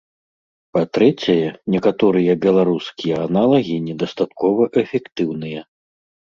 Па-трэцяе, некаторыя беларускія аналагі недастаткова эфектыўныя.